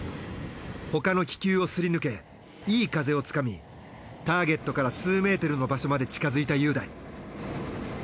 他の気球をすり抜けいい風をつかみターゲットから数メートルの場所まで近づいた雄大。